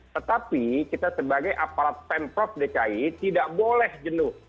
tetapi kita sebagai aparat pemprov dki tidak boleh jenuh